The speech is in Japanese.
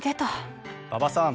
馬場さん